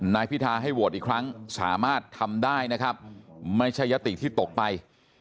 นายพิธาให้โหวตอีกครั้งสามารถทำได้นะครับไม่ใช่ยติที่ตกไป